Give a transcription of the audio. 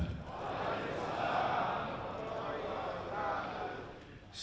waalaikumsalam warahmatullahi wabarakatuh